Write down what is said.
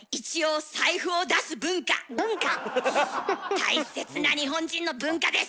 大切な日本人の文化です。